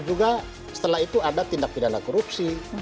dan juga setelah itu ada tindak pidana korupsi